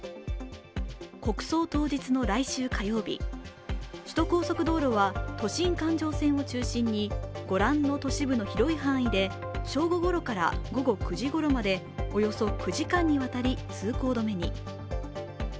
国葬当日の来週火曜日、首都高速道路は都心環状線を中心にご覧の都市部の広い範囲で正午ごろから午後９時ごろまでおよそ９時間にわたり通行止めに。